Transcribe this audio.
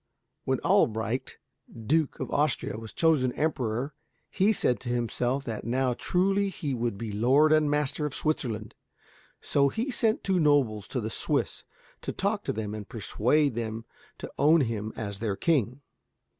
When Albrecht, Duke of Austria was chosen Emperor he said to himself that now truly he would be lord and master of Switzerland. So he sent two nobles to the Swiss to talk to them, and persuade them to own him as their king.